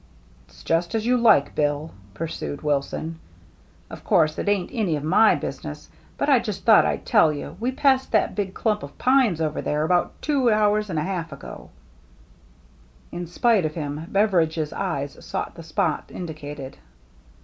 " It's just as you like. Bill," pursued Wilson. " Of course, it ain't , any of my business, — but I just thought I'd tell you we THE GINGHAM DRESS 265 passed that big clump of pines over there about two hours and a half ago." In spite of him, Beveridgc's eyes sought the spot indicated.